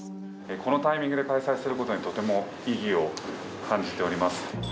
このタイミングで開催されることにとても意義を感じております。